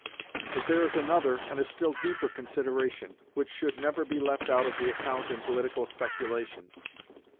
But there is another and a still deeper consideration, which should never be left out of the account in political speculations.